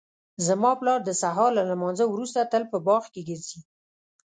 زما پلار د سهار له لمانځه وروسته تل په باغ کې ګرځي